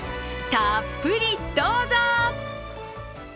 たっぷりどうぞ！